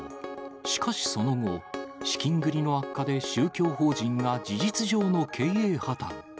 しかしその後、資金繰りの悪化で宗教法人が事実上の経営破綻。